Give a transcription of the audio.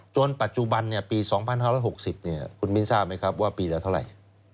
ปัจจุบันปี๒๕๖๐คุณมิ้นทราบไหมครับว่าปีละเท่าไหร่